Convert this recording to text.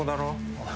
おい。